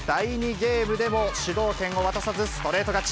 ゲームでも主導権を渡さずストレート勝ち。